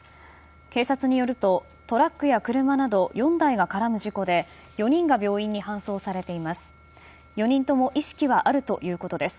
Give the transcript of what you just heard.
警察によると、トラックや車など４台が絡む事故で４人が病院に搬送されています。